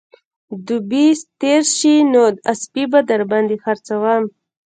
دوبى تېر شي نو اسپې به در باندې خرڅوم